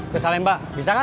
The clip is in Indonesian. ke salemba bisa kan